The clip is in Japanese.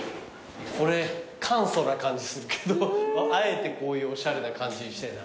これ簡素な感じするけどあえてこういうおしゃれな感じにしてんだね。